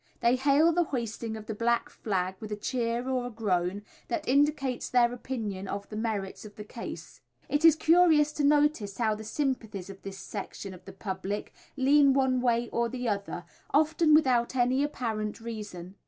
They hail the hoisting of the black flag with a cheer or a groan, that indicates their opinion of the merits of the case. It is curious to notice how the sympathies of this section of the public lean one way or the other, often without any apparent reason.